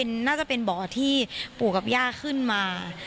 น่าจะเป็นบ่อที่ปู่กับย่าขึ้นมา